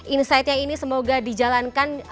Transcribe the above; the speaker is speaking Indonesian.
insidenya ini semoga dijalankan